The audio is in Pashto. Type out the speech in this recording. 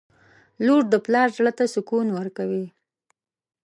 • لور د پلار زړه ته سکون ورکوي.